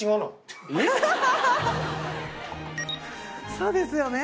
そうですよね。